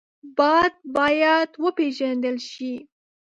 باد باید وپېژندل شي